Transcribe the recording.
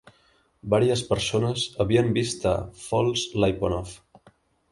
Varies persones havien vist a False-Laiponov.